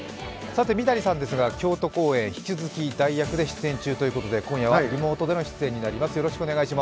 三谷さんですが京都公演引き続き代役で出演中ということで今夜はリモートでの出演になります。